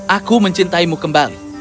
aku mencintaimu kembali